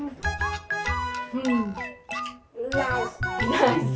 ナイス。